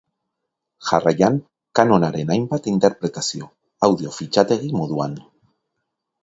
Jarraian Kanonaren hainbat interpretazio, audio fitxategi moduan.